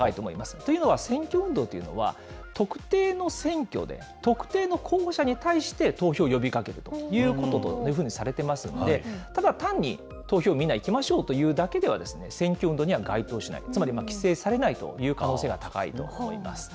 というのは、選挙運動というのは、特定の選挙で、特定の候補者に対して投票を呼びかけるということというふうにされてますので、ただ単に投票、みんな行きましょうというだけでは、選挙運動には該当しない、つまり規制されないという可能性が高いと思います。